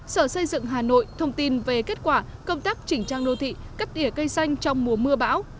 sở xây dựng hà nội thông tin về kết quả công tác chỉnh trang đô thị cắt tỉa cây xanh trong mùa mưa bão